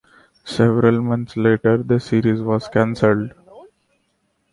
Several months later, the series was canceled.